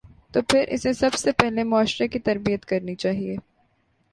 تو پھر اسے سب سے پہلے معاشرے کی تربیت کرنی چاہیے۔